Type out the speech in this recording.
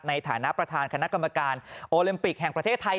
ในฐานะประธานคณะกรรมการโอลิมปิกแห่งประเทศไทย